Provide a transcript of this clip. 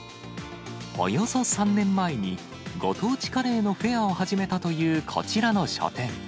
およそ３年前に、ご当地カレーのフェアを始めたというこちらの書店。